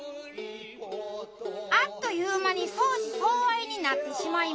あっという間に相思相愛になってしまいます。